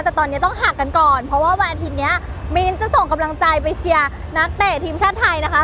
แต่ตอนนี้ต้องหักกันก่อนเพราะว่าวันอาทิตย์นี้มีนจะส่งกำลังใจไปเชียร์นักเตะทีมชาติไทยนะคะ